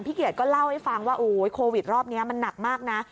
เกียจก็เล่าให้ฟังว่าโควิดรอบนี้มันหนักมากนะ